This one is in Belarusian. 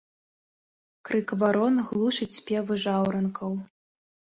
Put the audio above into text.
Крык варон глушыць спевы жаўранкаў.